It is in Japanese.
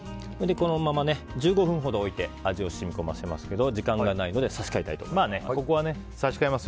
このまま１５分ほど置いて味を染み込ませますけど時間がないので差し替えたいと思います。